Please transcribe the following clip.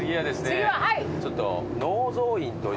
次ははい。